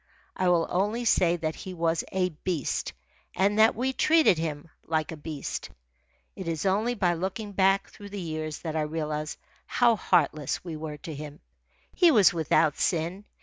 I will only say that he was a beast, and that we treated him like a beast. It is only by looking back through the years that I realise how heartless we were to him. He was without sin.